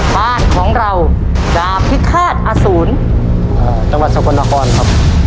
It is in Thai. บ้านของเราดาบพิฆาตอสูรจังหวัดสกลนครครับ